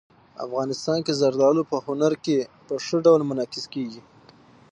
افغانستان کې زردالو په هنر کې په ښه ډول منعکس کېږي.